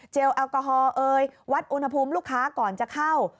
แอลกอฮอล์เอ่ยวัดอุณหภูมิลูกค้าก่อนจะเข้า